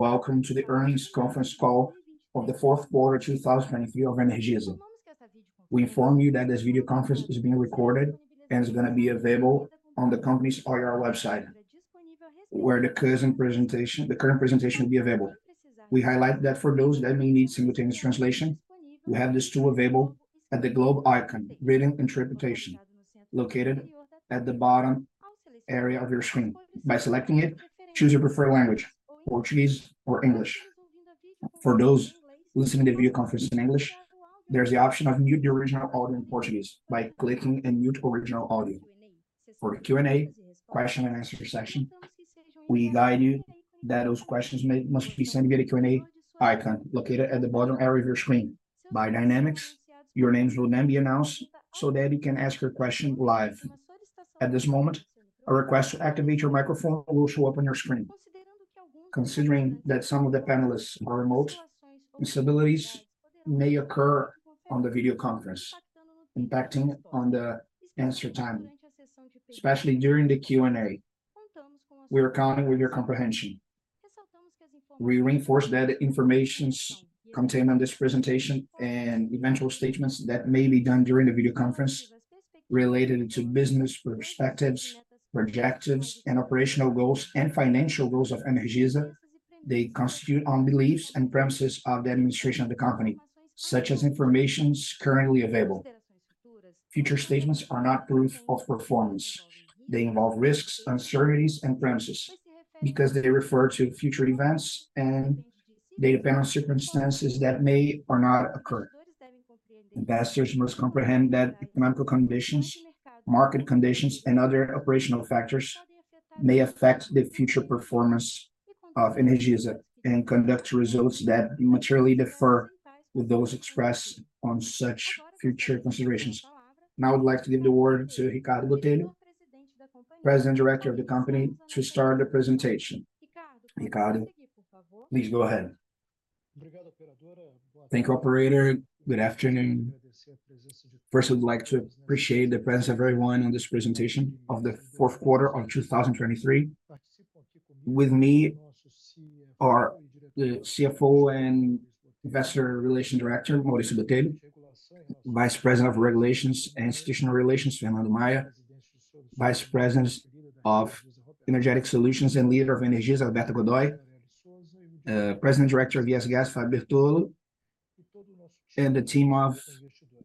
Welcome to the Earnings Conference Call of the fourth quarter 2023 of Energisa. We inform you that this video conference is being recorded and is gonna be available on the company's IR website, where the current presentation, the current presentation will be available. We highlight that for those that may need simultaneous translation, we have this tool available at the globe icon, Written Interpretation, located at the bottom area of your screen. By selecting it, choose your preferred language, Portuguese or English. For those listening to the video conference in English, there's the option of mute the original audio in Portuguese by clicking on Mute Original Audio. For Q&A, question and answer section, we guide you that those questions must be sent via the Q&A icon located at the bottom area of your screen. By dynamics, your names will then be announced so that you can ask your question live. At this moment, a request to activate your microphone will show up on your screen. Considering that some of the panelists are remote, instabilities may occur on the video conference, impacting on the answer time, especially during the Q&A. We are counting with your comprehension. We reinforce that information contained on this presentation and eventual statements that may be done during the video conference related to business perspectives, projections, and operational goals and financial goals of Energisa, they constitute on beliefs and premises of the administration of the company, such as information currently available. Future statements are not proof of performance. They involve risks, uncertainties, and premises, because they refer to future events and they depend on circumstances that may or not occur. Investors must comprehend that economic conditions, market conditions, and other operational factors may affect the future performance of Energisa and conduct results that materially differ with those expressed on such future considerations. Now, I would like to give the word to Ricardo Botelho, President Director of the company, to start the presentation. Ricardo, please go ahead. Thank you, operator. Good afternoon. First, I would like to appreciate the presence of everyone on this presentation of the fourth quarter of 2023. With me are the CFO and Investor Relations Director, Mauricio Botelho; Vice President of Regulatory Affairs and Institutional Relations, Fernando Maia; Vice President of Energy Solutions and Leader of Energisa, Roberta Godoi; President Director of ES Gás, Fábio Bertollo; and the team of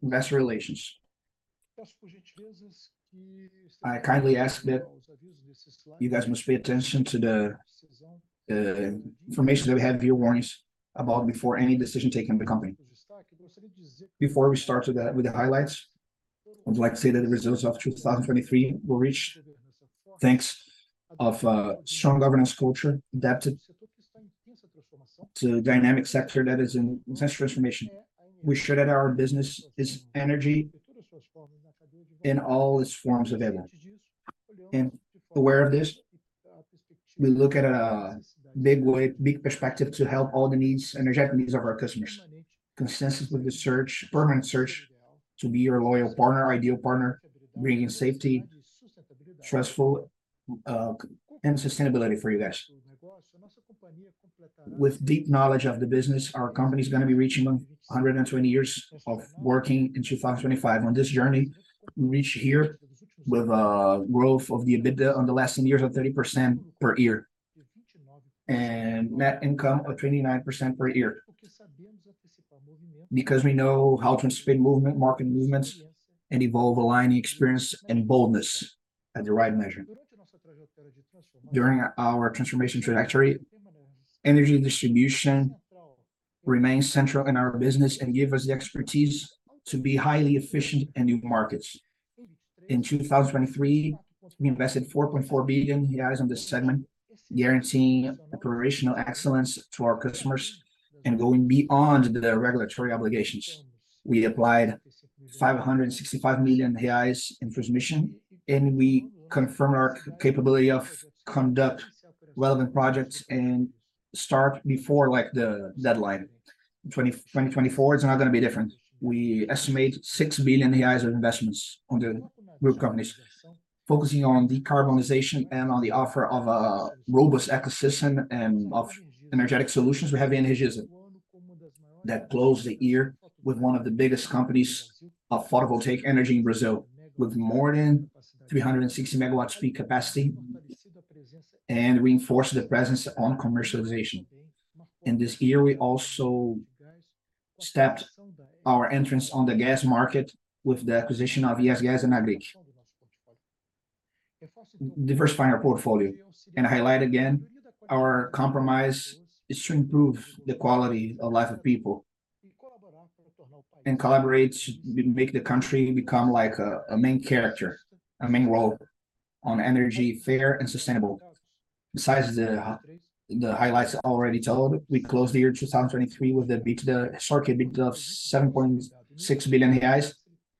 investor relations. I kindly ask that you guys must pay attention to the information that we have here, warnings about, before any decision taken in the company. Before we start with the highlights, I would like to say that the results of 2023 were reached thanks to a strong governance culture, adapted to dynamic sector that is in intense transformation. We showed that our business is energy in all its forms available. And aware of this, we look at a big way, big perspective to help all the needs, energetic needs of our customers. Consistently with search, permanent search to be your loyal partner, ideal partner, bringing safety, trustful, and sustainability for you guys. With deep knowledge of the business, our company's gonna be reaching 120 years of working in 2025. On this journey, we reach here with a growth of the EBITDA on the last 10 years of 30% per year, and net income of 29% per year. Because we know how to anticipate movement, market movements, and evolve aligning experience and boldness at the right measure. During our transformation trajectory, energy distribution remains central in our business and give us the expertise to be highly efficient in new markets. In 2023, we invested 4.4 billion reais on this segment, guaranteeing operational excellence to our customers and going beyond their regulatory obligations. We applied 565 million reais in transmission, and we confirmed our capability of conduct relevant projects and start before, like, the deadline. 2024 is not gonna be different. We estimate 6 billion reais of investments on the group companies, focusing on decarbonization and on the offer of a robust ecosystem and of energetic solutions. We have Energisa that closed the year with one of the biggest companies of photovoltaic energy in Brazil, with more than 360 MWp capacity, and reinforced the presence on commercialization. In this year, we also stepped our entrance on the gas market with the acquisition of ES Gás and Agrigás, diversify our portfolio. I highlight again, our compromise is to improve the quality of life of people and collaborate, make the country become like a, a main character, a main role on energy, fair and sustainable. Besides the highlights already told, we closed the year 2023 with an EBITDA, record EBITDA of 7.6 billion reais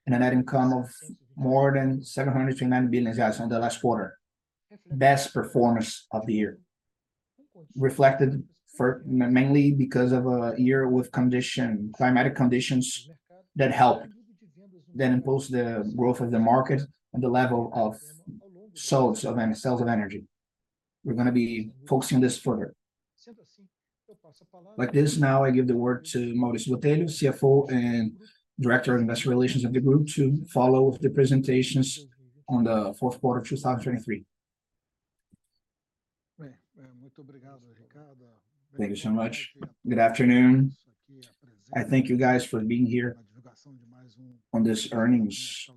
and a net income of more than 790 billion reais in the last quarter. Best performance of the year, reflected mainly because of a year with condition, climatic conditions that helped that impose the growth of the market and the level of sales of sales of energy. We're gonna be focusing on this further. Like this, now I give the word to Maurício Botelho, CFO and Director of Investor Relations of the group, to follow with the presentations on the fourth quarter of 2023. Thank you so much. Good afternoon. I thank you guys for being here on this earnings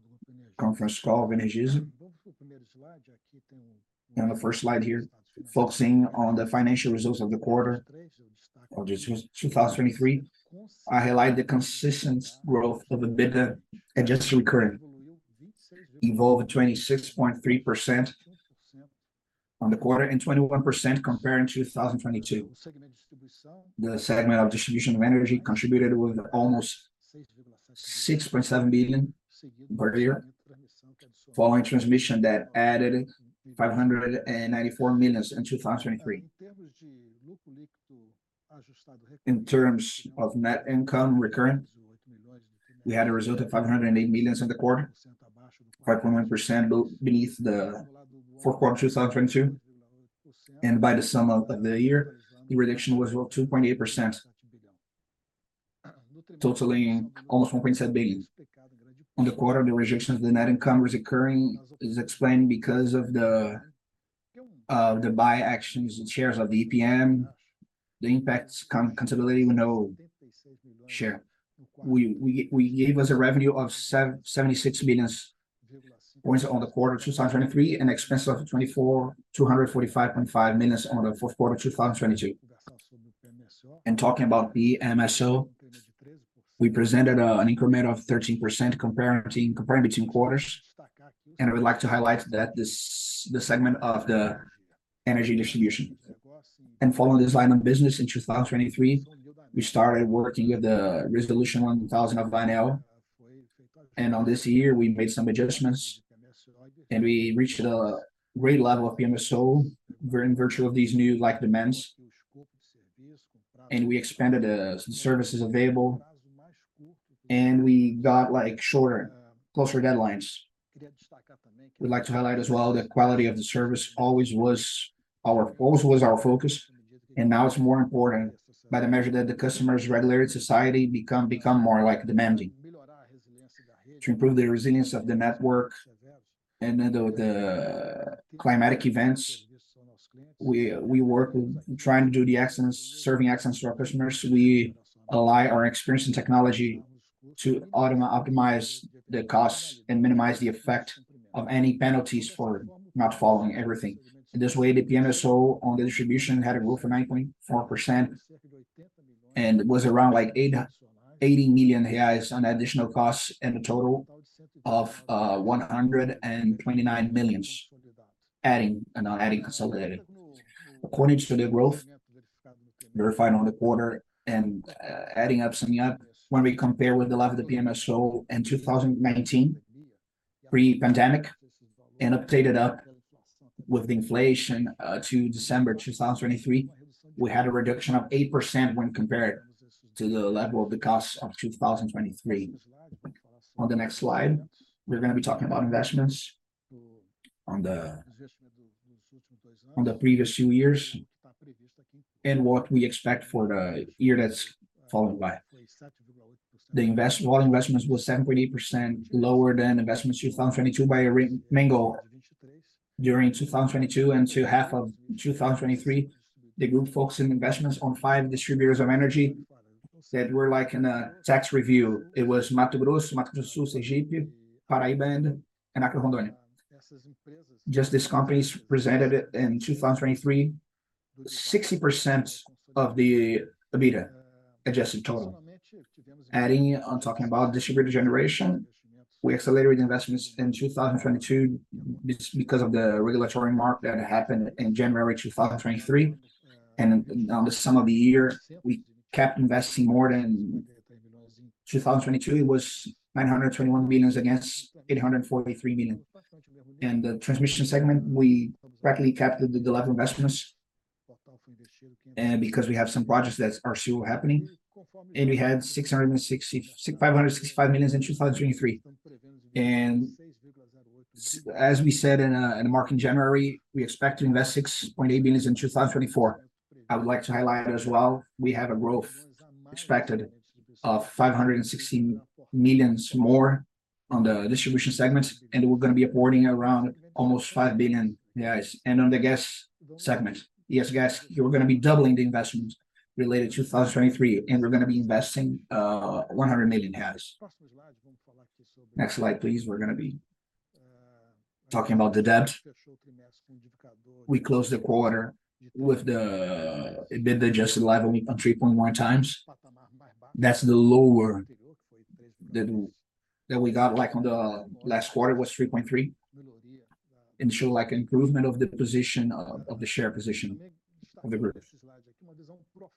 conference call of Energisa. In the first slide here, focusing on the financial results of the quarter of this 2023, I highlight the consistent growth of the EBITDA adjusted recurrent, evolved 26.3% on the quarter, and 21% compared in 2022. The segment of distribution of energy contributed with almost 6.7 billion per year, following transmission that added 594 million in 2023. In terms of net income recurrent, we had a result of 508 million in the quarter, 5.1% beneath the fourth quarter 2022, and by the sum of the year, the reduction was about 2.8%, totaling almost 1.7 billion. On the quarter, the reduction of the net income was occurring, is explained because of the buy actions, the shares of the EPM, the impacts consolidating with no share. We gave us a revenue of 76 billion points on the quarter 2023, and expenses of 245.5 million on the fourth quarter of 2022. Talking about the PMSO, we presented an increment of 13% comparing between quarters, and I would like to highlight that this the segment of the energy distribution. Following this line of business in 2023, we started working with the Resolution 1,000 of ANEEL, and in this year we made some adjustments, and we reached a great level of PMSO in virtue of these new, like, demands, and we expanded some services available, and we got, like, shorter, closer deadlines. We'd like to highlight as well, the quality of the service always was our focus, and now it's more important by the measure that the customers, regulatory society, become more, like, demanding. To improve the resilience of the network and the climatic events, we work with trying to do the excellence, serving excellence to our customers. We ally our experience and technology to optimize the costs and minimize the effect of any penalties for not following everything. In this way, the PMSO on the distribution had a growth of 9.4% and was around, like, 80 million reais on additional costs, and a total of 129 million, adding, adding consolidated. According to the growth verified on the quarter and, adding up, summing up, when we compare with the level of the PMSO in 2019, pre-pandemic, and updated up with the inflation, to December 2023, we had a reduction of 8% when compared to the level of the costs of 2023. On the next slide, we're gonna be talking about investments on the, on the previous 2 years, and what we expect for the year that's following by. All investments were 7.8% lower than investments in 2022 by Energisa. During 2022 and the first half of 2023, the group focused on investments on five distributors of energy that were, like, in a tariff review. It was Mato Grosso, Mato Grosso do Sul, Sergipe, Paraíba, and Acre/Rondônia. Just these companies presented in 2023, 60% of the EBITDA adjusted total. Adding on, talking about distributed generation, we accelerated investments in 2022 because of the regulatory change that happened in January 2023, and for the full year, we kept investing more than 2022. It was 921 million against 843 million. In the transmission segment, we practically kept the level of investments, because we have some projects that are still happening, and we had 665 million in 2023. And as we said in the market in January, we expect to invest 6.8 billion in 2024. I would like to highlight as well, we have a growth expected of 516 million more on the distribution segment, and we're gonna be onboarding around almost 5 billion. And on the gas segment, yes, gas, we're gonna be doubling the investments related to 2023, and we're gonna be investing 100 million. Next slide, please. We're gonna be talking about the debt. We closed the quarter with the EBITDA adjusted level on 3.1 times. That's lower than we got, like, on the last quarter was 3.3, and shows, like, improvement of the position of the share position of the group.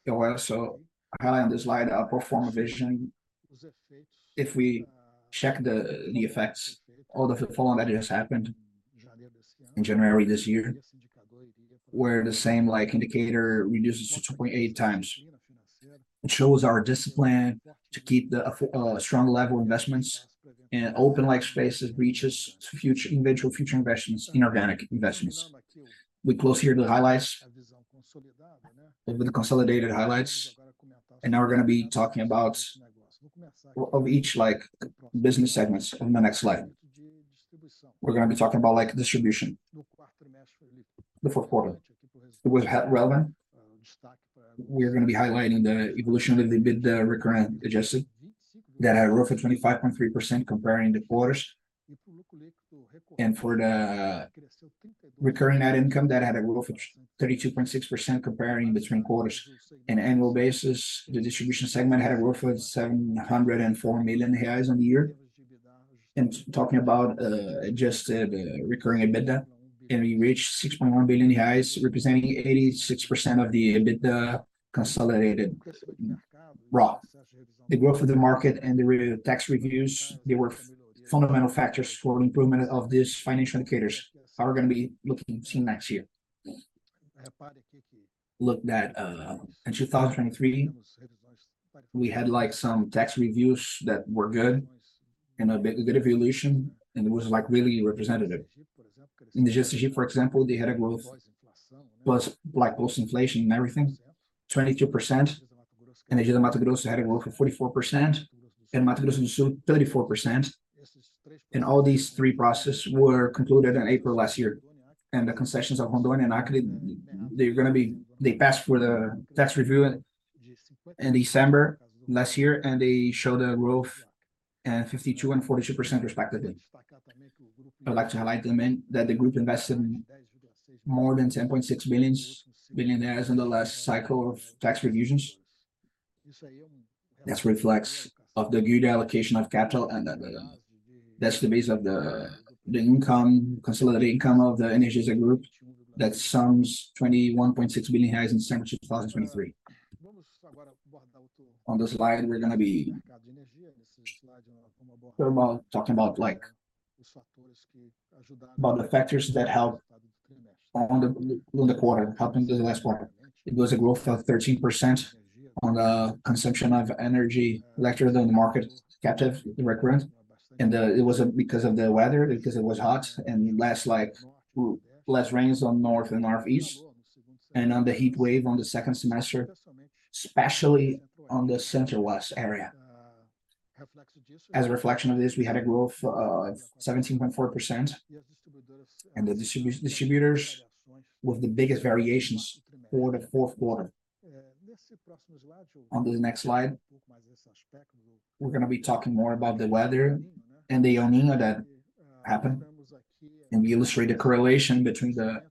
Well, so highlight on this slide, our pro forma vision. If we check the effects of the pro forma that just happened in January this year, where the same, like, indicator reduces to 2.8 times. It shows our discipline to keep the strong level investments and open like spaces reaches to future individual future investments in organic investments. We close here the highlights, with the consolidated highlights, and now we're gonna be talking about of each, like, business segments on the next slide. We're gonna be talking about, like, distribution. The fourth quarter, it was relevant. We're gonna be highlighting the evolution of the EBITDA, recurrent, adjusted, that had a growth of 25.3% comparing the quarters. For the recurring net income, that had a growth of 32.6% comparing between quarters. In annual basis, the distribution segment had a growth of 704 million reais on the year. Talking about adjusted, recurring EBITDA, and we reached 6.1 billion reais, representing 86% of the EBITDA consolidated, raw. The growth of the market and the regulatory tax reviews, they were fundamental factors for improvement of these financial indicators that we're gonna be seeing next year. Look that, in 2023, we had, like, some tax reviews that were good and a good evolution, and it was, like, really representative. In the ES Gás, for example, they had a growth plus, like, post-inflation and everything, 22%, and they did Mato Grosso had a growth of 44%, and Mato Grosso do Sul, 34%, and all these three processes were concluded in April last year. And the concessions of Rondônia and Acre, they're gonna be they passed for the tariff review in, in December last year, and they showed a growth at 52% and 42% respectively. I'd like to highlight them and that the group invested in more than 10.6 billion in the last cycle of tariff revisions. That's reflection of the good allocation of capital, and that's the base of the consolidated income of the Energisa Group that sums 21.6 billion in 2Q 2023. On this slide, we're gonna be talking about, like, about the factors that helped on the, in the quarter, helping the last quarter. It was a growth of 13% on the consumption of energy, lectures on the market, captive, the recurrent, and it was because of the weather, because it was hot and less, like, less rains on North and Northeast, and on the heat wave on the second semester, especially on the Center West area. As a reflection of this, we had a growth of 17.4%, and the distributors were the biggest variations for the fourth quarter. On to the next slide, we're gonna be talking more about the weather and the El Niño that happened, and we illustrate a correlation between the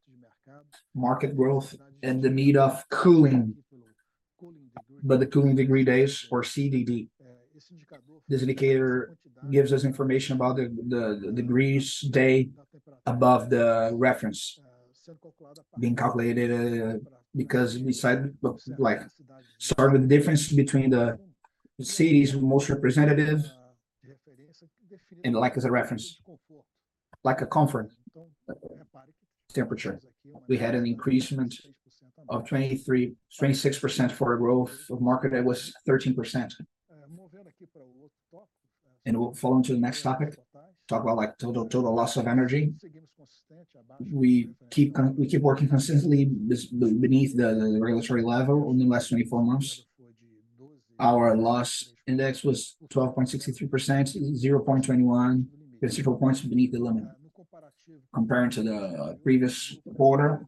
market growth and the need of cooling, by the cooling degree days, or CDD. This indicator gives us information about the degree days above the reference, being calculated, because we said, like, the difference between the most representative cities and, like, as a reference, like, a comfort temperature. We had an increase of 26% for a growth of market that was 13%. And we'll fall into the next topic, talk about, like, total loss of energy. We keep working consistently beneath the regulatory level. In the last 24 months, our loss index was 12.63%, 0.21 percentage points beneath the limit. Comparing to the previous quarter,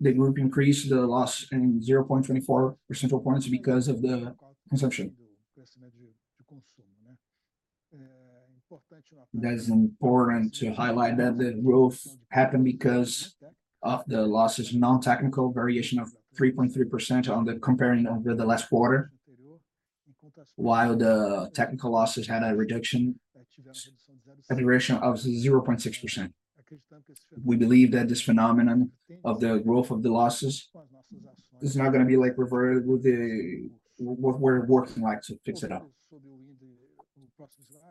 the group increased the loss in 0.24 percentage points because of the consumption. That is important to highlight that the growth happened because of the losses, non-technical variation of 3.3% on the comparing of the last quarter, while the technical losses had a reduction, a variation of 0.6%. We believe that this phenomenon of the growth of the losses is not gonna be, like, reversed with the... We're working, like, to fix it up.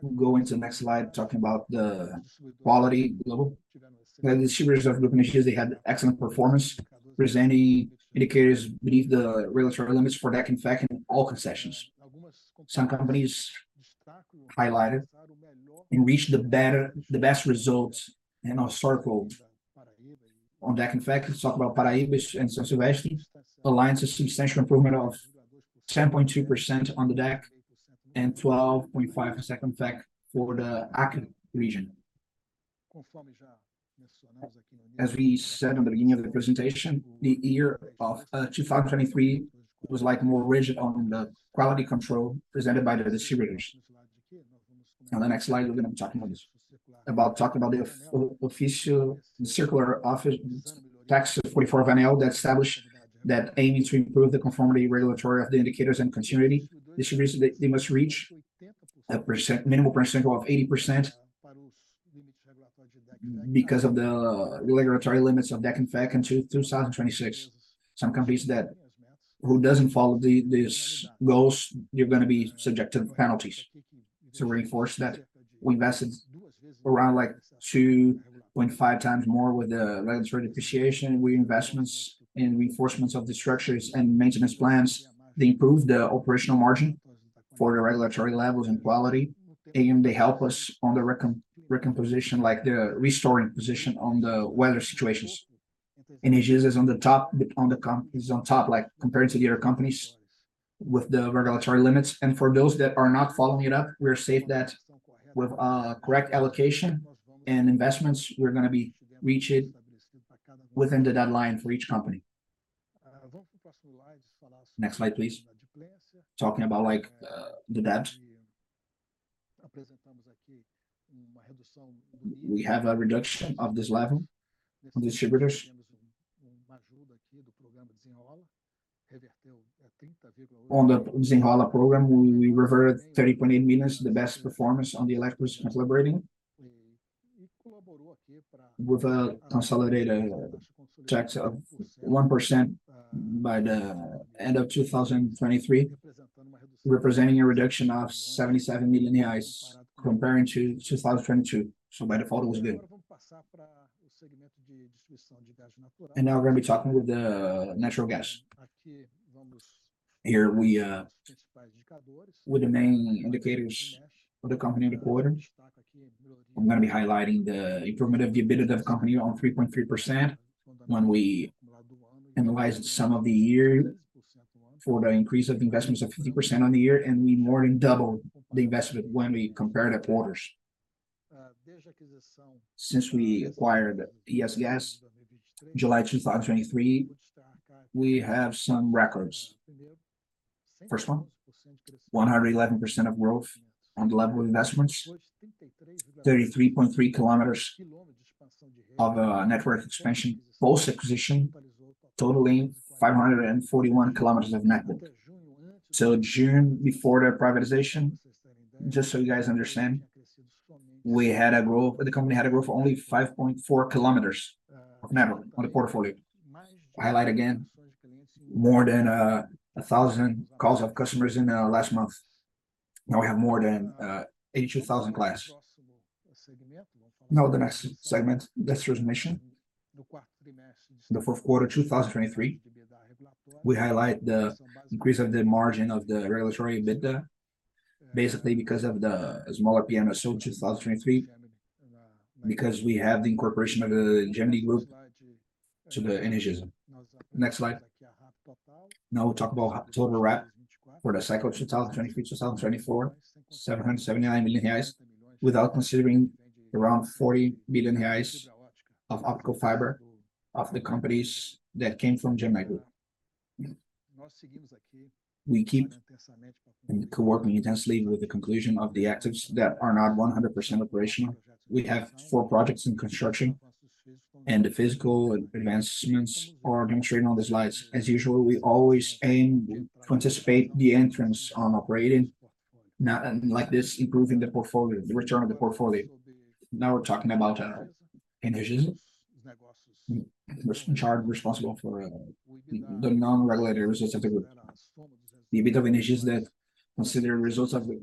We'll go into the next slide, talking about the quality level. The distributors of group initiatives, they had excellent performance, presenting indicators beneath the regulatory limits for DEC and FEC in all concessions. Some companies highlighted and reached the best results in our circle on DEC and FEC. Let's talk about Paraíba and Sul-Sudeste alliances, substantial improvement of 10.2% on the DEC and 12.5% FEC for the Acre region. As we said on the beginning of the presentation, the year of 2023 was, like, more rigid on the quality control presented by the distributors. On the next slide, we're gonna be talking about this, the official circular office, Tax 44 of ANEEL, that established that aiming to improve the conformity regulatory of the indicators and continuity distributions, they must reach a minimum percentage of 80% because of the regulatory limits of DEC and FEC until 2026. Some companies who doesn't follow these goals, you're gonna be subject to penalties. To reinforce that, we invested around, like, 2.5 times more with the regulatory depreciation. We investments in reinforcements of the structures and maintenance plans. They improve the operational margin for the regulatory levels and quality, and they help us on the recomposition, like the restoring position on the weather situations. Enel is on top, like, comparing to the other companies with the regulatory limits. For those that are not following it up, we're safe that with correct allocation and investments, we're gonna reach it within the deadline for each company. Next slide, please. Talking about, like, the debts. We have a reduction of this level of distributors. On the Desenrola program, we reverted 30.8 million, the best performance on the electros collaborating, with a consolidated tax of 1% by the end of 2023, representing a reduction of 77 million reais comparing to 2022. By default, it was good. And now we're gonna be talking with the natural gas. Here we, with the main indicators for the company in the quarter, I'm gonna be highlighting the improvement of the EBITDA of company on 3.3% when we analyze the sum of the year for the increase of investments of 50% on the year, and we more than doubled the investment when we compare the quarters. Since we acquired ES Gás, July 2023, we have some records. First one, 111% of growth on the level of investments, 33.3 km of network expansion post-acquisition, totaling 541 km of network. So June, before the privatization, just so you guys understand, we had a growth, the company had a growth of only 5.4 km of network on the portfolio. Highlight again, more than 1,000 calls of customers in last month. Now we have more than 18,000 clients. Now, the next segment, transmission. The fourth quarter, 2023, we highlight the increase of the margin of the regulatory EBITDA, basically because of the smaller PMSO 2023, because we have the incorporation of the Gemini group to the Energisa. Next slide. Now, we talk about total RAP for the cycle of 2023-2024, 779 million reais, without considering around 40 billion reais of optical fiber of the companies that came from Gemini group. We keep working intensely with the conclusion of the assets that are not 100% operational. We have four projects in construction, and the physical advancements are demonstrated on the slides. As usual, we always aim to anticipate the entrance on operating, now, and like this, improving the portfolio, the return of the portfolio. Now we're talking about (re)energisa, which is responsible for the non-regulatory results of the group. The EBITDA of (re)energisa that consider results of the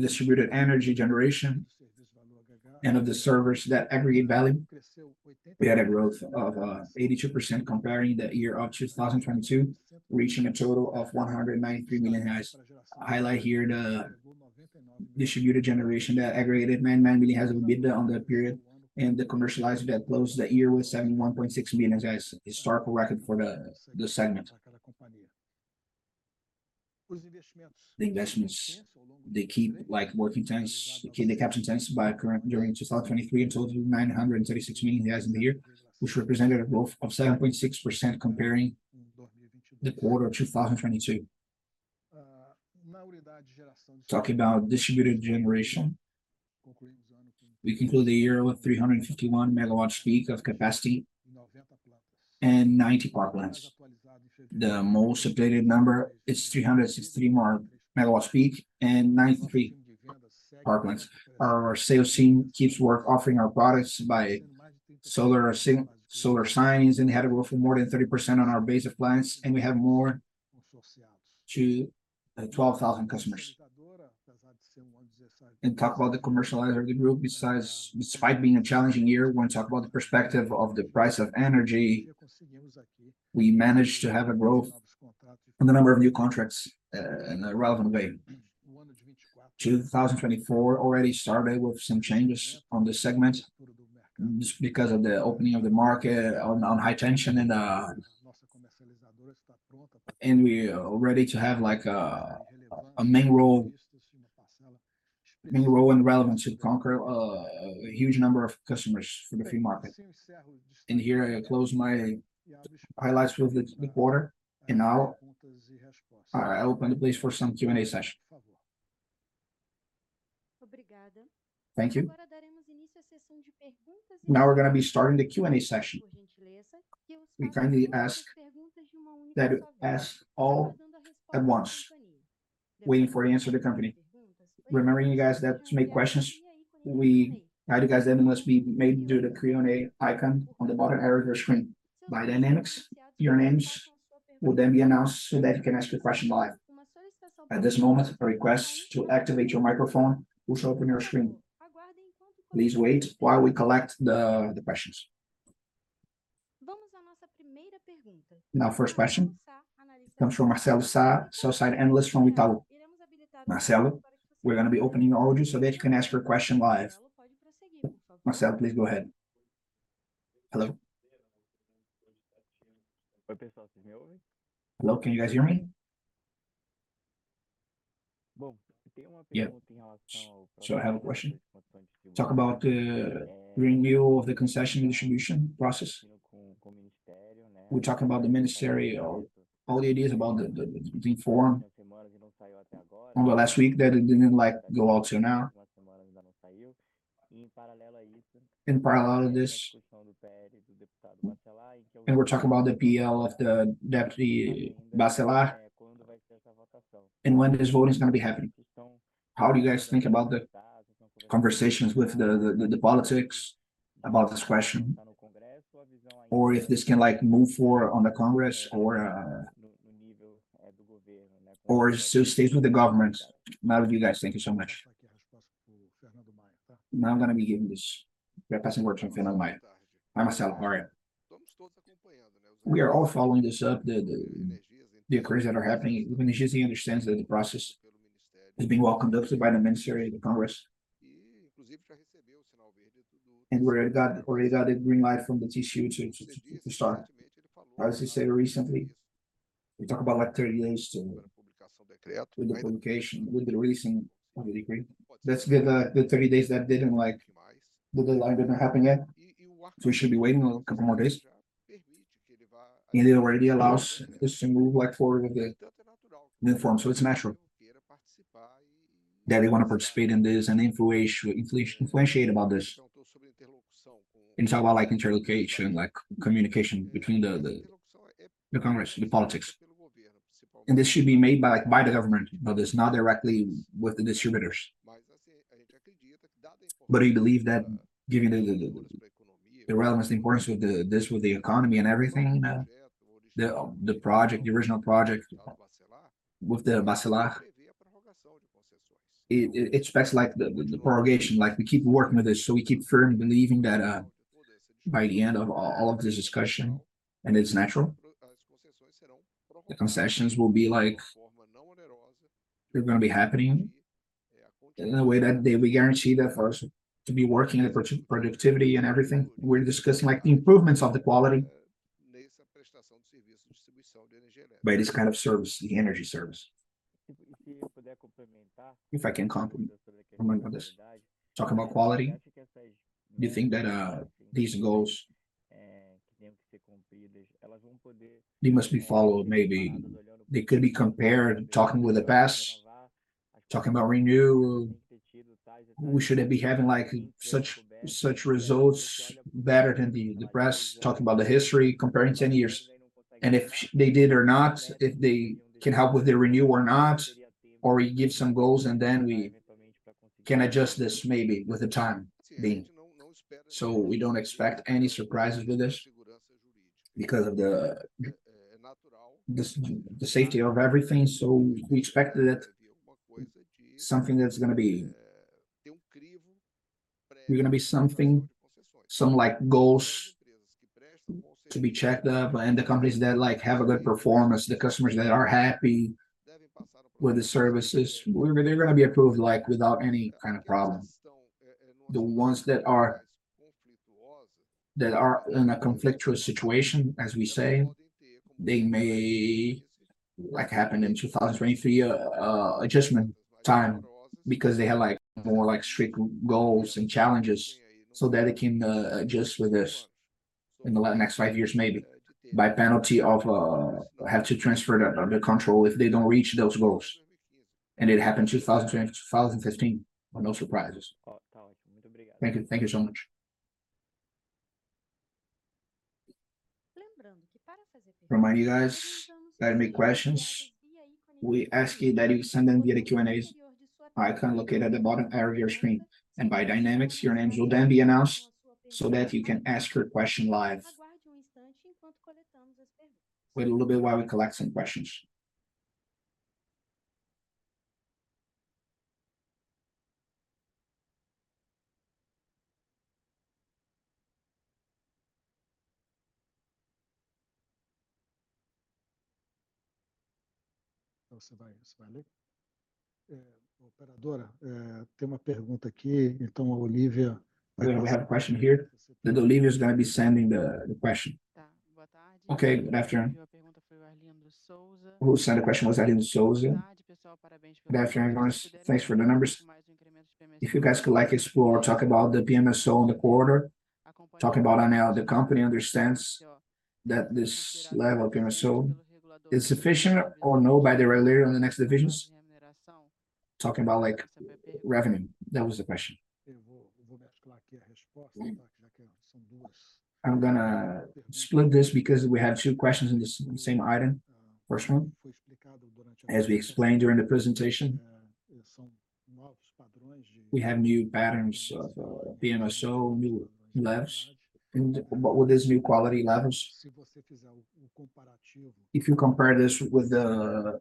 distributed generation and of the services that aggregate value. We had a growth of 82% comparing the year of 2022, reaching a total of 193 million. Highlight here, the distributed generation that aggregated 99 million BRL of EBITDA on that period, and the commercializer that closed the year with 71.6 million BRL, historical record for the segment. The investments, they keep, like, working tense, they kept intense during 2023, a total of 936 million in the year, which represented a growth of 7.6% comparing the quarter of 2022. Talking about distributed generation, we conclude the year with 351 MWp of capacity and 90 parklands. The most updated number is 363 MWp and 93 parklands. Our sales team keeps work, offering our products by solar signings, and had a growth of more than 30% on our base of clients, and we have more than 12,000 customers. Talk about the commercializer of the group, despite being a challenging year, we're gonna talk about the perspective of the price of energy. We managed to have a growth in the number of new contracts in a relevant way. 2024 already started with some changes on this segment just because of the opening of the market on high tension, and we are ready to have, like, a main role, main role and relevance to conquer a huge number of customers for the free market. And here I close my highlights with the quarter, and now I open the place for some Q&A session. Thank you. Now we're gonna be starting the Q&A session. We kindly ask that ask all at once waiting for answer the company. Remembering you guys that to make questions, we guide you guys, then must be made through the Q&A icon on the bottom area of your screen. By dynamics, your names will then be announced so that you can ask your question live. At this moment, I request to activate your microphone, which will open your screen. Please wait while we collect the questions. Now, first question comes from Marcelo Sá, sell-side analyst from Itaú. Marcelo, we're gonna be opening the audio so that you can ask your question live. Marcelo, please go ahead. Hello? Hello, can you guys hear me? Well, yeah. So I have a question. Talk about the renewal of the concession distribution process. We're talking about the ministry or all the ideas about the form over the last week that it didn't, like, go out to now. In parallel of this, and we're talking about the PL of the Deputy Bacelar, and when this voting is gonna be happening. How do you guys think about the conversations with the politics about this question? Or if this can, like, move forward on the Congress or still stays with the government. Now with you guys, thank you so much. Now I'm gonna be giving this passing word from Fernando Maia. By Marcelo, all right. We are all following this up, the inquiries that are happening. We just understand that the process is being well conducted by the Ministry of the Congress. And we've already got a green light from the TCU to start. As I said recently, we talk about like three years to, with the publication, with the releasing of the decree. That's the 30 days that didn't like. The deadline didn't happen yet, so we should be waiting a couple more days. It already allows this to move like forward with the form, so it's natural that they want to participate in this and influence about this. And talk about, like, interlocution, like communication between the Congress, the politics. And this should be made by, like, by the government, but it's not directly with the distributors. But I believe that giving the relevance, the importance of this with the economy and everything, the project, the original project with the Bacelar, it expects like the prorogation, like, we keep working with this, so we keep firmly believing that, by the end of all of this discussion, and it's natural, the concessions will be like, they're gonna be happening in a way that they will guarantee the first to be working, and the productivity and everything. We're discussing, like, the improvements of the quality by this kind of service, the energy service. If I can complement, comment on this. Talk about quality, do you think that these goals, they must be followed? Maybe they could be compared, talking with the past, talking about renew. We should be having like such, such results better than the, the press, talking about the history, comparing 10 years. And if they did or not, if they can help with the renew or not, or we give some goals and then we can adjust this maybe with the time being. So we don't expect any surprises with this, because of the safety of everything, so we expect that something that's gonna be... We're gonna be something, some like goals to be checked up, and the companies that, like, have a good performance, the customers that are happy with the services, they're gonna be approved, like, without any kind of problem. The ones that are, that are in a conflictual situation, as we say, they may, like happened in 2023, adjustment time, because they had like more like strict goals and challenges, so that they can adjust with this in the next five years, maybe. By penalty of have to transfer the control if they don't reach those goals. And it happened 2010 to 2015, but no surprises. Thank you. Thank you so much. Remind you guys that make questions, we ask you that you send them via the Q&A icon located at the bottom area of your screen. And by dynamics, your names will then be announced so that you can ask your question live. Wait a little bit while we collect some questions. So by, so by there. Operator, there's a question here, so Olivia— We have a question here, that Olivia is gonna be sending the, the question. Good afternoon. Okay, good afternoon. The question was Arlindo Souza. Good afternoon, guys. Thanks for the numbers. If you guys could like explore, talk about the PMSO in the quarter. Talking about how now the company understands that this level of PMSO is sufficient or no, by the earlier in the next divisions. Talking about, like, revenue. That was the question.... I'm gonna split this because we have two questions in the same item. First one, as we explained during the presentation, we have new patterns of PMSO, new levels. And with these new quality levels, if you compare this with the,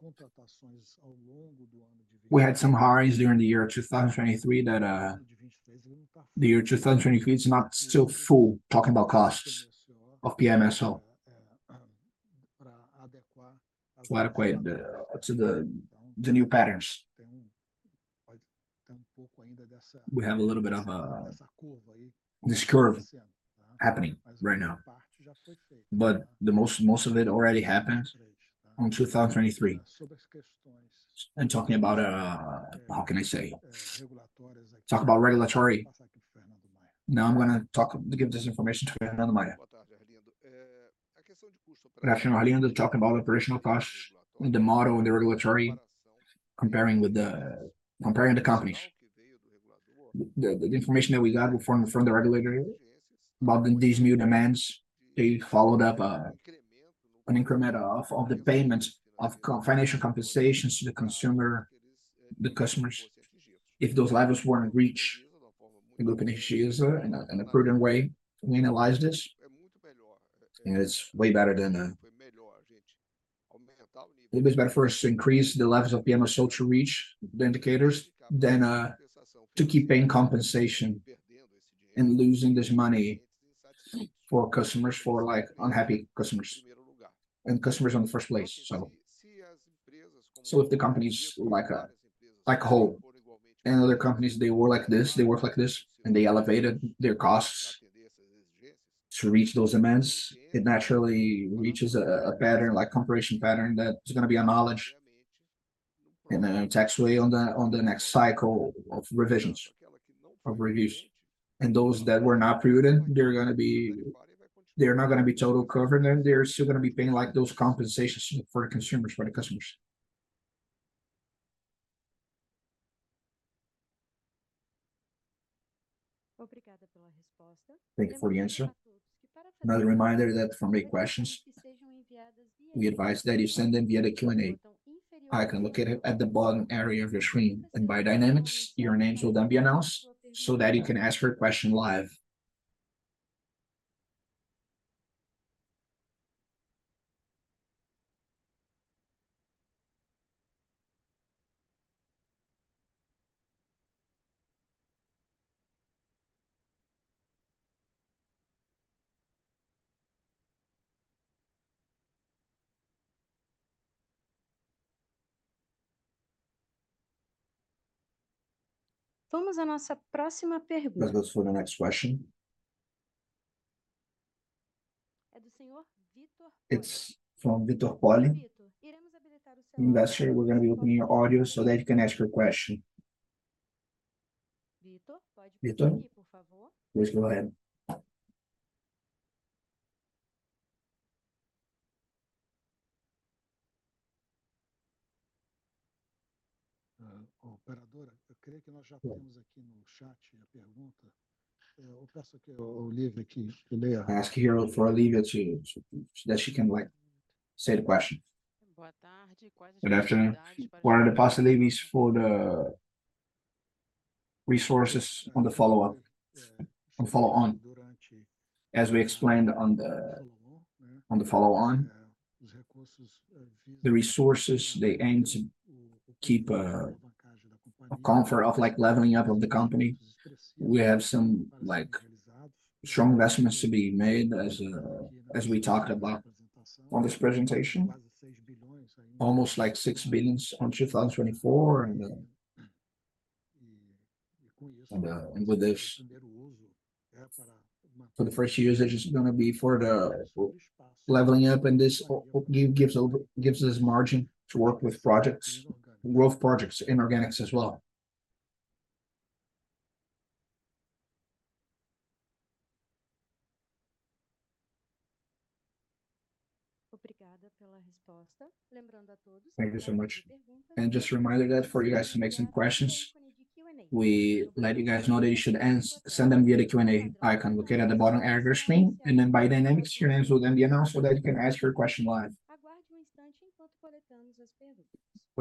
we had some highs during the year of 2023 that, the year 2023, it's not still full, talking about costs of PMSO, to adequate the, to the, the new patterns. We have a little bit of a, this curve happening right now, but the most, most of it already happened on 2023. And talking about, how can I say? Talk about regulatory, now I'm gonna talk... give this information to Fernando Maia. Actually, talking about operational costs and the model and the regulatory, comparing with the, comparing the companies. The information that we got from the regulator about these new demands, they followed up an increment of the payment of co-financial compensations to the consumer, the customers, if those levels weren't reached. In Grupo Energisa, in a prudent way, we analyze this, and it's way better than... It was better for us to increase the levels of PMSO to reach the indicators than to keep paying compensation and losing this money for customers, for, like, unhappy customers, and customers in the first place. So, so if the companies like, like Hole and other companies, they were like this, they work like this, and they elevated their costs to reach those demands, it naturally reaches a, a pattern, like comparison pattern, that is gonna be a knowledge in a tax way on the, on the next cycle of revisions, of reviews. And those that were not prudent, they're gonna be—they're not gonna be total covered, and they're still gonna be paying, like, those compensations for the consumers, for the customers. Thank you for the answer. Another reminder that to make questions, we advise that you send them via the Q&A. I can look at it at the bottom area of your screen, and by design, your names will then be announced, so that you can ask your question live. Let's go to the next question. It's from Victor Poli, investor. We're gonna be opening your audio so that you can ask your question. Victor, please go ahead. Operator, I think we already have the question in the chat. I ask Olivia to that she can like say the question. Good afternoon. What are the possibilities for the resources on the follow-up, on follow on? As we explained on the, on the follow on, the resources, they aim to keep a, a comfort of, like, leveling up of the company. We have some, like, strong investments to be made, as, as we talked about on this presentation, almost like 6 billion in 2024, and, and with this, for the first years, it's just gonna be for the leveling up, and this gives us margin to work with projects, growth projects, inorganics as well. Thank you so much. And just a reminder that for you guys to make some questions, we let you guys know that you should send them via the Q&A icon located at the bottom area of your screen, and then by dynamics, your names will then be announced, so that you can ask your question live. Wait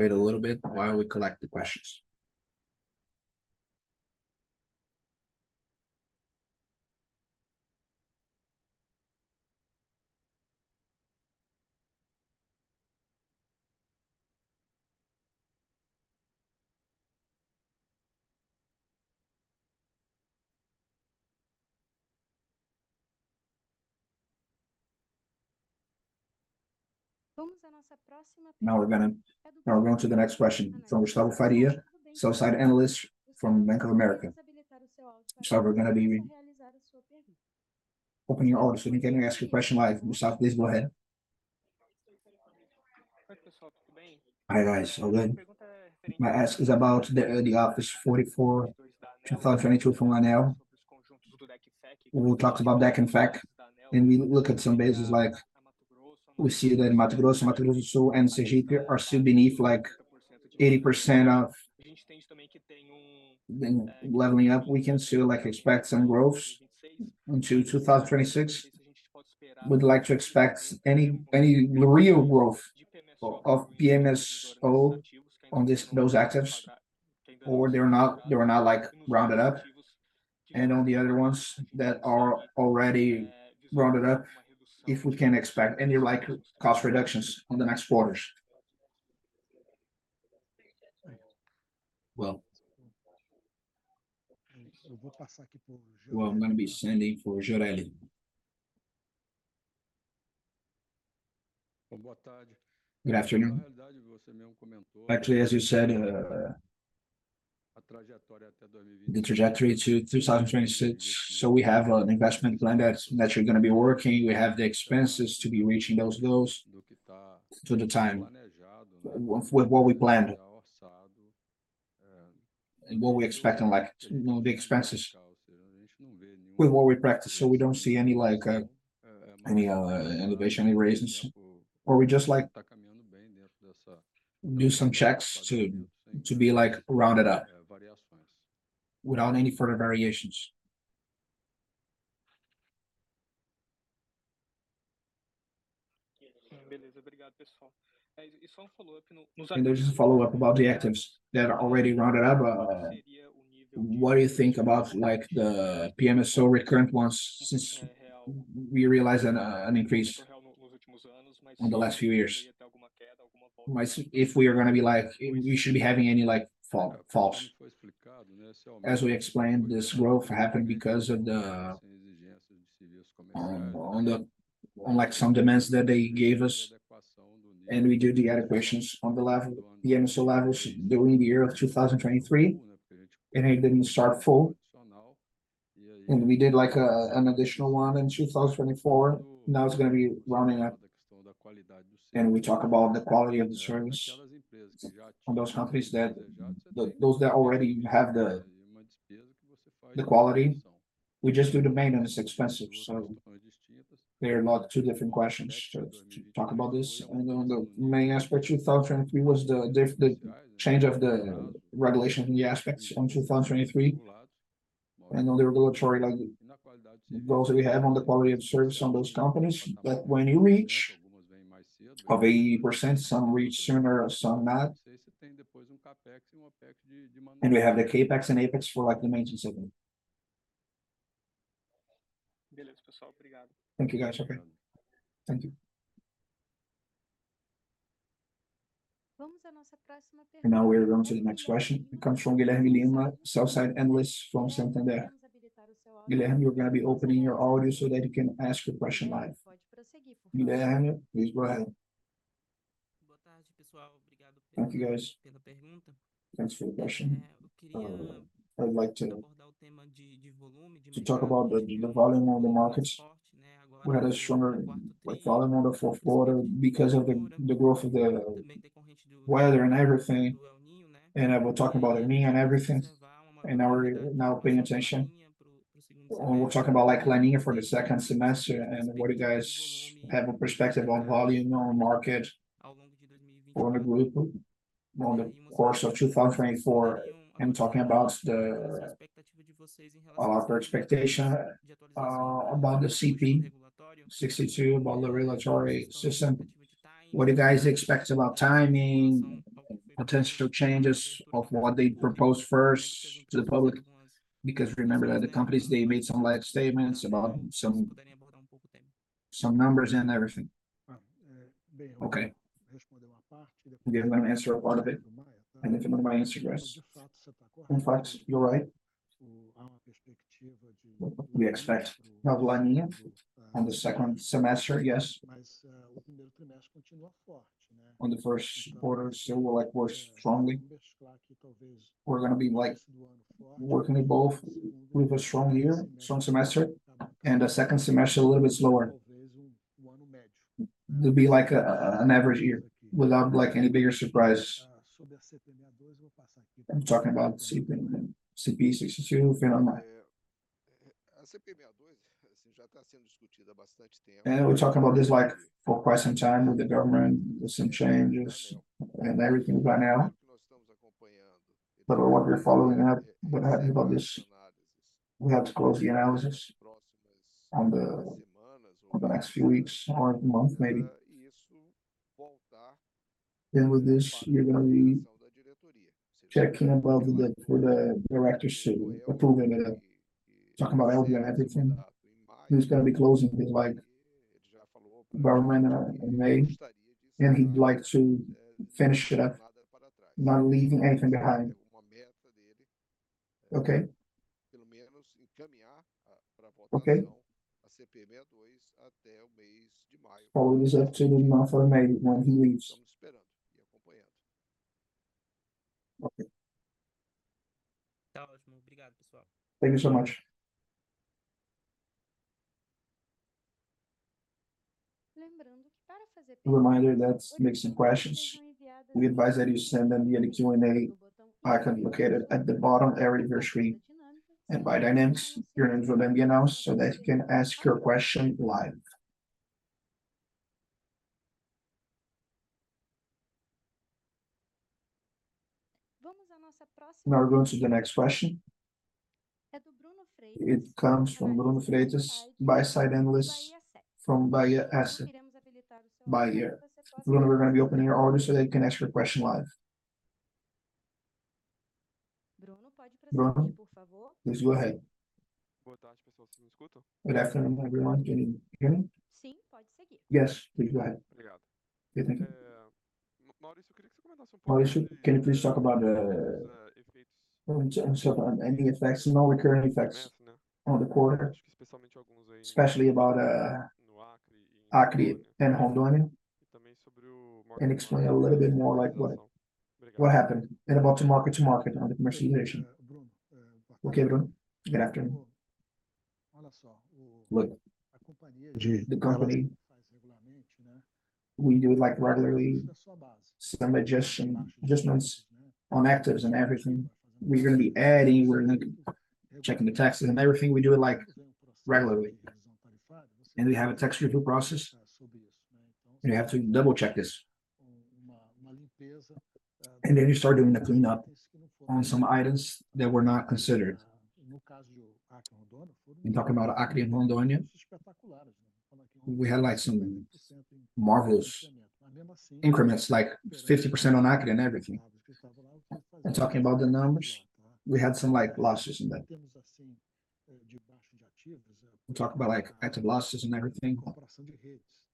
a little bit while we collect the questions. Now we're gonna... Now we're going to the next question from Gustavo Faria, sell-side analyst from Bank of America. So we're gonna be opening your audio, so you can ask your question live. Gustavo, please go ahead. Hi, guys. All good. My ask is about the Ofício 44, 2022 from ANEEL. We talked about DEC and FEC, and we look at some bases like- ... We see that in Mato Grosso, Mato Grosso do Sul and Sergipe are still beneath, like, 80% of the leveling up. We can still, like, expect some growths into 2026. We'd like to expect any, any real growth of PMSO on this, those assets, or they're not, they're not, like, rounded up. And on the other ones that are already rounded up, if we can expect any, like, cost reductions on the next quarters. Well, well, I'm gonna be sending for Gioreli. Good afternoon. Actually, as you said, the trajectory to 2026, so we have an investment plan that's actually gonna be working. We have the expenses to be reaching those goals to the time with, with what we planned, and what we expect, and, like, you know, the expenses with what we practice. So we don't see any, like, any, elevation, any raises, or we just, like, do some checks to, to be, like, rounded up without any further variations. And there's a follow-up about the actives that are already rounded up. What do you think about, like, the PMSO recurrent ones, since we realized that, an increase in the last few years? But if we are gonna be like... We should be having any, like, fall, false. As we explained, this growth happened because of the, on, on the, on, like, some demands that they gave us, and we did the adequate additions on the level, the PMSO levels during the year of 2023, and it didn't start full. And we did, like, an additional one in 2024. Now, it's gonna be rounding up, and we talk about the quality of the service from those companies that, those that already have the, the quality. We just do the maintenance expenses, so they're not two different questions to, to talk about this. And on the main aspect, 2023 was the diff-- the change of the regulation in the aspects on 2023, and on the regulatory, like, goals we have on the quality of service on those companies. But when you reach 80%, some reach sooner, some not, and we have the CapEx and OpEx for, like, the maintenance of them. Thank you, guys. Okay. Thank you. Now we're going to the next question. It comes from Guilherme Lima, sell-side analyst from Santander. Guilherme, you're gonna be opening your audio so that you can ask your question live. Guilherme, please go ahead. Thank you, guys. Thanks for the question. I'd like to talk about the volume on the markets. We had a stronger, like, volume on the fourth quarter because of the growth of the weather and everything, and I will talk about El Niño and everything, and now we're now paying attention. We're talking about, like, La Niña for the second semester, and what do you guys have a perspective on volume on market for the group on the course of 2024? And talking about our expectation about the CP 62, about the regulatory system, what do you guys expect about timing, potential changes of what they proposed first to the public? Because remember that the companies, they made some live statements about some, some numbers and everything. Okay. Guilherme, answer a part of it, and if you know my answer is, in fact, you're right. We expect La Niña on the second semester, yes. On the first quarter, so we're like, we're strongly. We're gonna be, like, working it both with a strong year, strong semester, and a second semester, a little bit slower. It'll be like a, an average year without, like, any bigger surprise. I'm talking about CP, CP 62, if you don't mind. And we're talking about this, like, for quite some time with the government, with some changes and everything by now. But what we're following up with, about this, we have to close the analysis on the, on the next few weeks or month maybe. Then with this, we're gonna be checking about the, with the directors to approving it, talking about El Niño and everything. He's gonna be closing it, like, government in May, and he'd like to finish it up, not leaving anything behind. Okay? Okay. Always up to the month of May, not years. Okay. Thank you so much. Reminder that to make some questions, we advise that you send them via the Q&A icon located at the bottom area of your screen... and by their names. Your names will then be announced so that you can ask your question live. Now we're going to the next question. It comes from Bruno Freitas, buy-side analyst from Bahia Asset, Bahia. Bruno, we're gonna be opening your audio so that you can ask your question live. Bruno, please go ahead. Good afternoon, everyone. Can you hear me? Yes, please go ahead. Thank you. Mauricio- Mauricio, can you please talk about the some any effects, non-recurring effects on the quarter, especially about Acre and Rondônia, and explain a little bit more like what, what happened, and about the mark-to-market on the commercialization? Okay, Bruno. Good afternoon. Look, the company, we do it like regularly, some adjustment, adjustments on assets and everything. We're gonna be adding, we're gonna be checking the taxes and everything, we do it like regularly. And we have a tax review process, and we have to double-check this. And then you start doing the cleanup on some items that were not considered. When talking about Acre and Rondônia, we had like some massive increments, like 50% on Acre and everything. And talking about the numbers, we had some like losses in that. We talk about like active losses and everything.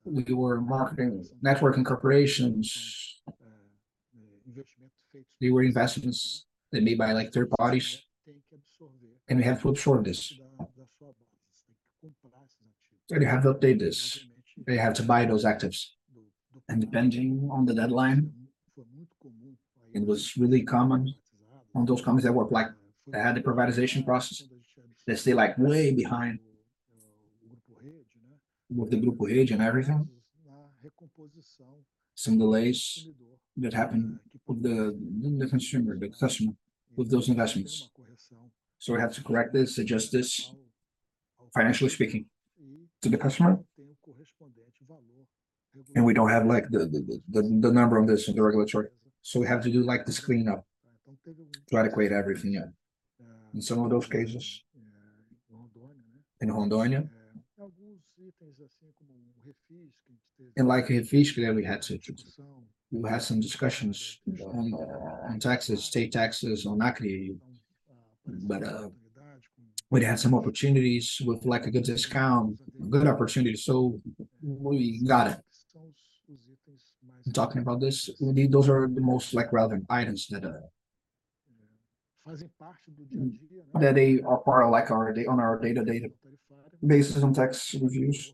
We were marketing, networking corporations. They were investments that made by like third parties, and we have to absorb this. So they have to update this, they have to buy those assets. And depending on the deadline, it was really common on those companies that were like... They had the privatization process. They're still, like, way behind with the group age and everything. Some delays that happened with the consumer, the customer, with those investments. So we have to correct this, adjust this, financially speaking, to the customer. And we don't have like the number of this in the regulatory, so we have to do like this cleanup to adequate everything up. In some of those cases, in Rondônia, and like in Acre, we had to... We had some discussions on taxes, state taxes on Acre, but we had some opportunities with like a good discount, good opportunities, so we got it. Talking about this, those are the most like relevant items that they are part of like our day... On our day-to-day basis on tax reviews.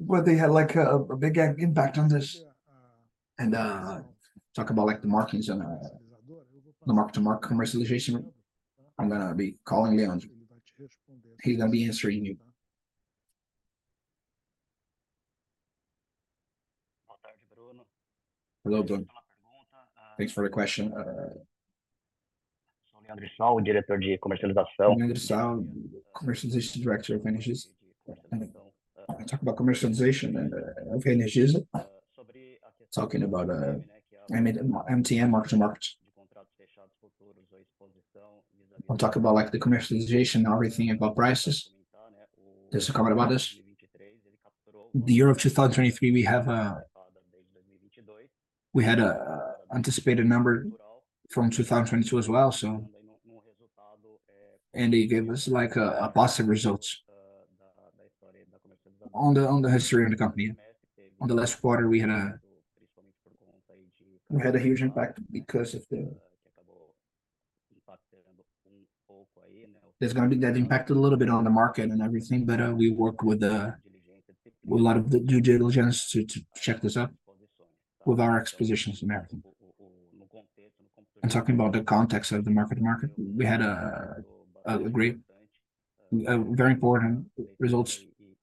But they had like a big impact on this. And talk about like the markings on our, the mark-to-market commercialization. I'm gonna be calling Leandro. He's gonna be answering you. Hello, Bruno. Thanks for the question. Leandro Sá, Commercialization Director of Energisa. And I talk about commercialization and of Energisa. Talking about MTM, mark-to-market. I'll talk about like the commercialization and everything about prices. There's a comment about this. The year of 2023, we have, we had a anticipated number from 2022 as well, so... And they gave us like a positive results on the, on the history of the company. On the last quarter, we had a huge impact because of the... There's gonna be that impact a little bit on the market and everything, but we worked with a lot of the due diligence to check this out with our exposures and everything. And talking about the context of the mark-to-market, we had a great, a very important results.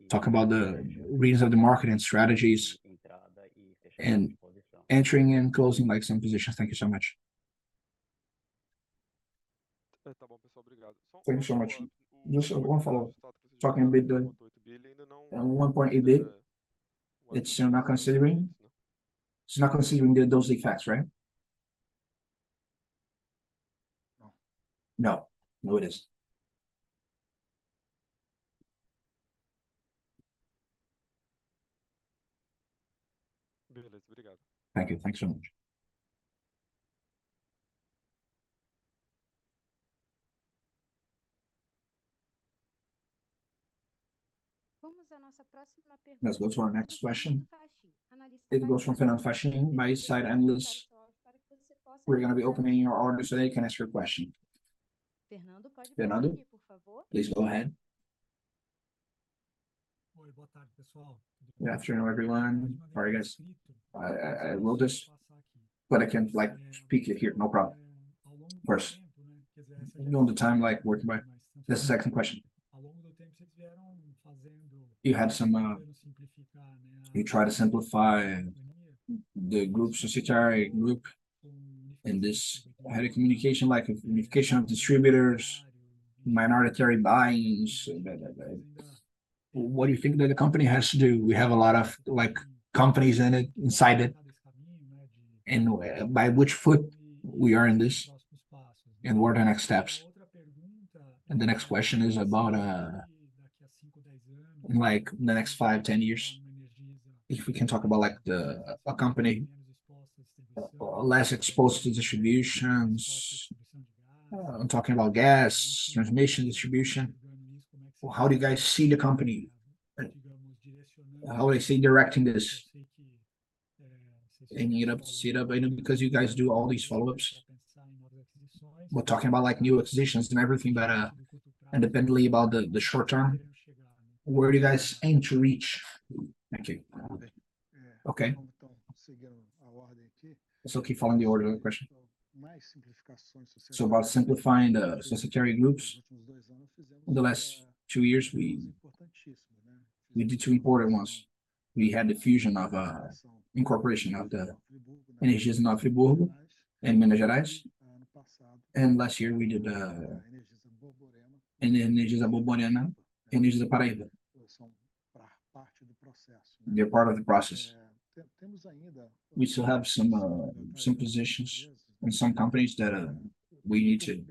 Talk about the reasons of the market and strategies, and entering and closing like some positions. Thank you so much. Thank you so much. Just one follow-up. Talking a bit, the 1.8 billion, it's not considering those effects, right? No. No, it is. Thank you. Thanks so much. Let's go to our next question. It goes from Fernando Fachini, sell-side analyst. We're gonna be opening your audio, so you can ask your question. Fernando, please go ahead. Good afternoon, everyone. How are you guys? I will just, but I can like speak it here, no problem. Of course. You know, the time like working by... This is excellent question.... You had some, you try to simplify the group, subsidiary group, and this had a communication, like a communication of distributors, minority buyings, da, da, da. What do you think that the company has to do? We have a lot of, like, companies in it, inside it, and by which foot we are in this, and what are the next steps? And the next question is about, like the next five, ten years, if we can talk about, like, the-- a company, less exposed to distributions. I'm talking about gas transmission distribution. So how do you guys see the company? How I see directing this, and you know, set up item, because you guys do all these follow-ups. We're talking about, like, new acquisitions and everything, but, independently about the short term, where do you guys aim to reach? Thank you. Okay. So keep following the order of the question. So about simplifying the subsidiary groups, in the last two years, we did two important ones. We had the fusion of, incorporation of the Energisa Nova Friburgo and Minas Gerais. And last year, we did Energisa Borborema and Energisa Paraíba. They're part of the process. We still have some some positions in some companies that we need to...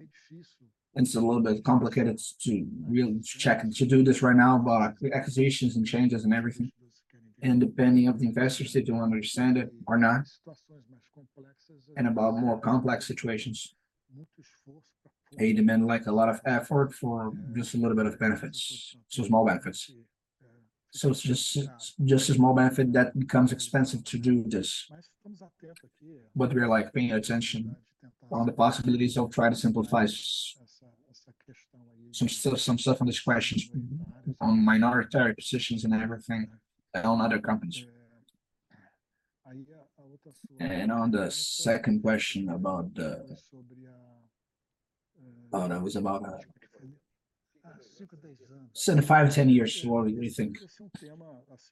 It's a little bit complicated to really check to do this right now, but acquisitions and changes and everything, and depending of the investors, if they understand it or not, and about more complex situations, they demand, like, a lot of effort for just a little bit of benefits, so small benefits. So it's just a small benefit that becomes expensive to do this. But we are, like, paying attention on the possibilities of trying to simplify some still some stuff on these questions, on minority positions and everything, and on other companies. On the second question about the... that was about. So in 5, 10 years... So in 5, 10 years, what do you think?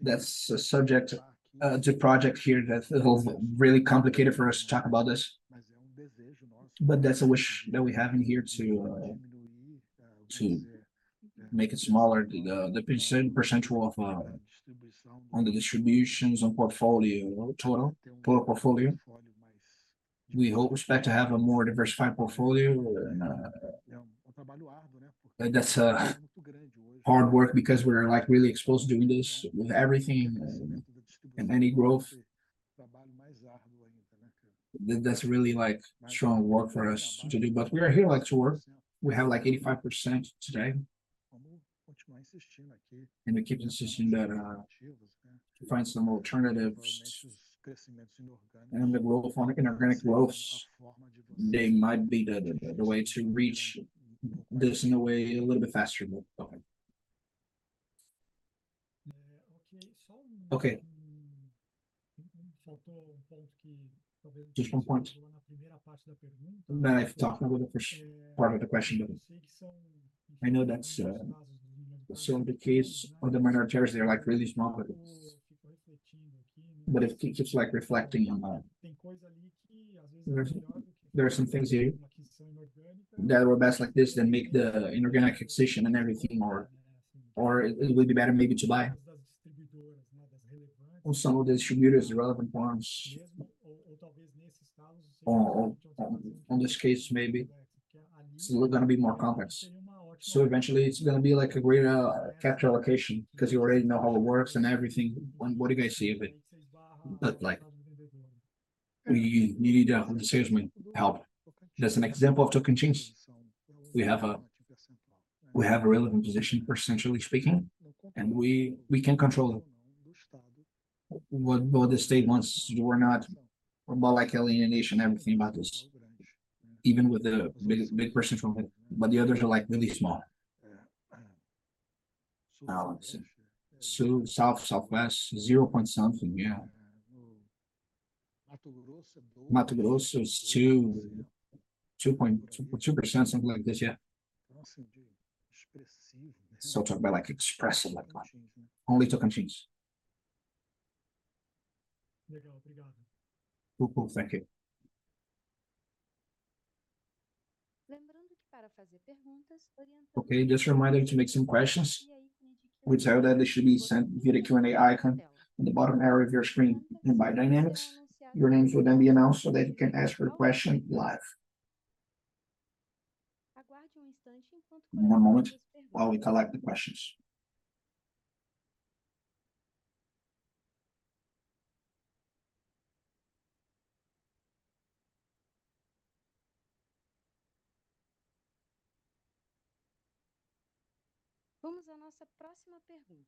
That's a subject to project here, that it will be really complicated for us to talk about this. But that's a wish that we have in here to to make it smaller, the, the percentage of on the distributions, on portfolio, total, total portfolio. We hope, expect to have a more diversified portfolio, and that's a hard work because we're, like, really exposed to doing this with everything and, and any growth. That's really, like, strong work for us to do. But we are here, like, to work. We have, like, 85% today, and we keep insisting that to find some alternatives and the global organic and inorganic growth, they might be the way to reach this in a way a little bit faster. Okay. Okay. Just one point. Then I've talked about the first part of the question, but I know that's so in the case of the minorities, they're, like, really small, but it's... But if it keeps, like, reflecting on, there are some things here that were best like this than make the inorganic acquisition and everything, or, or it would be better maybe to buy on some of the distributors, the relevant ones. On this case, maybe it's gonna be more complex. So eventually, it's gonna be like a great capital allocation because you already know how it works and everything. What do you guys see of it? But, like, we need the sales may help. That's an example of Tocantins. We have a relevant position, percentually speaking, and we can't control what the state wants. We're not, we're more like alienation, everything about this, even with the big, big percent from it, but the others are, like, really small. So South, Southwest, 0.something%, yeah. Mato Grosso is 2, 2 point... 2%, something like this, yeah. So talk about, like, expressive, like what? Only Tocantins. Cool, cool. Thank you. Okay, just a reminder to make some questions. We tell that they should be sent via the Q&A icon in the bottom area of your screen. And by dynamics, your names will then be announced so that you can ask your question live. One more moment while we collect the questions.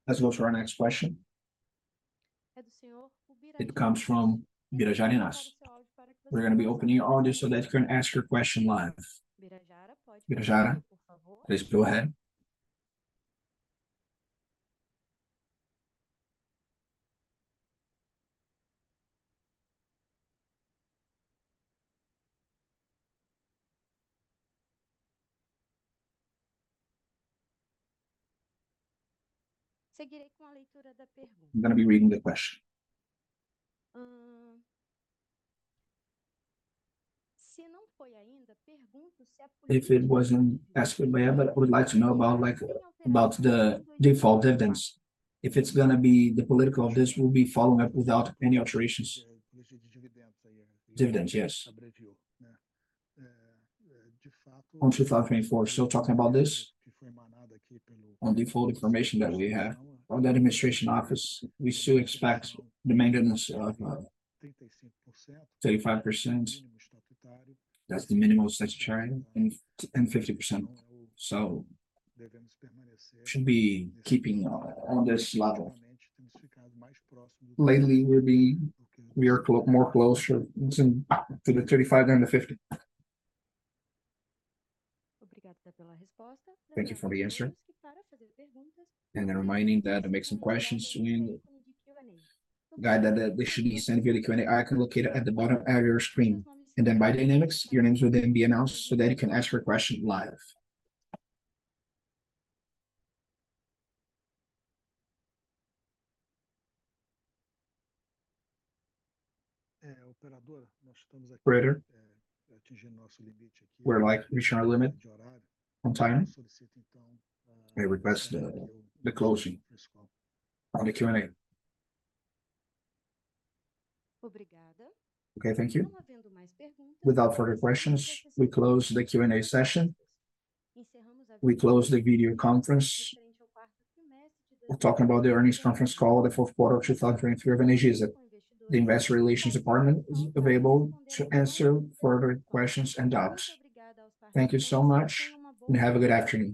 Let's go to our next question. It comes from Birajara Nas. We're gonna be opening your audio so that you can ask your question live. Birajara, please go ahead.... I'm gonna be reading the question. If it wasn't asked by anyone, I would like to know about, like, about the default dividends. If it's gonna be the policy of this, we'll be following up without any alterations. Dividends, yes. On 2024, still talking about this, on the information that we have on that administration office, we still expect the maintenance of 35%. That's the minimum statutory, and 50%, so should be keeping on this level. Lately, we're being more closer to the 35% than the 50%. Thank you for the answer, and then reminding that to make some questions in the guide, that they should be sent via the Q&A icon located at the bottom of your screen. And then by Dynamics, your names will then be announced, so then you can ask your question live. Operator, we're like reaching our limit on time. I request the closing on the Q&A. Okay, thank you. Without further questions, we close the Q&A session. We close the video conference. We're talking about the earnings conference call, the fourth quarter of 2023 of Energisa. The investor relations department is available to answer further questions and doubts. Thank you so much, and have a good afternoon.